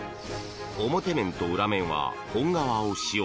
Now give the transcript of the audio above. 表面と裏面は本革を使用。